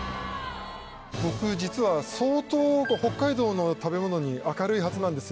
僕実は相当北海道の食べ物に明るいはずなんです